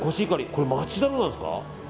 これ、町田のなんですか。